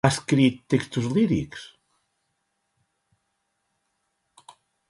Ha escrit textos lírics?